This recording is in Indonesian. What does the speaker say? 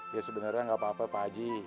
ya sebenernya gak apa apa pak haji